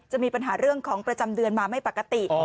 มีปัญหาเรื่องของประจำเดือนมาไม่ปกติ